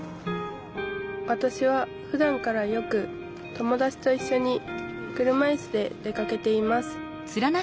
わたしはふだんからよく友達といっしょに車いすで出かけています